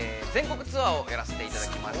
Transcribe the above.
全国ツアーやらせていただきます。